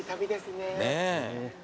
ねえ。